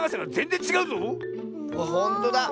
ほんとだ！